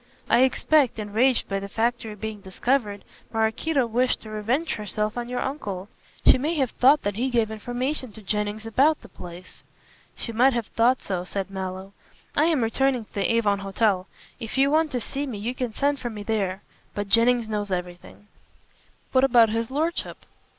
I expect, enraged by the factory being discovered, Maraquito wished to revenge herself on your uncle. She may have thought that he gave information to Jennings about the place." "She might have thought so," said Mallow. "I am returning to the Avon Hotel. If you want to see me you can send for me there. But Jennings knows everything." "What about his lordship?"